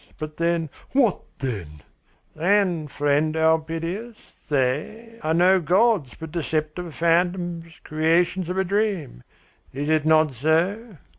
But, then " "What, then?" "Then, friend Elpidias, they are no gods, but deceptive phantoms, creations of a dream. Is it not so?"